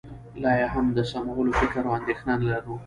لا یې هم د سمولو فکر او اندېښنه نه لرو